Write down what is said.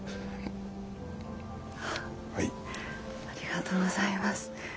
ありがとうございます。